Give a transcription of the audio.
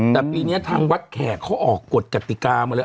แต่ปีนี้ทางวัดแขกเขาออกกฎกติกามาเลย